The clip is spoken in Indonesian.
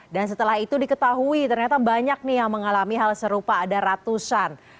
dan setelah itu diketahui ternyata banyak nih yang mengalami hal serupa ada ratusan